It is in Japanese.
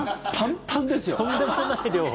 とんでもない量を。